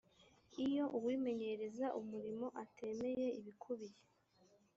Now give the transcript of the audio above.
iyo uwimenyereza umurimo atemeye ibikubiye